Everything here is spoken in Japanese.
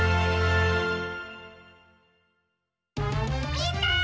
みんな！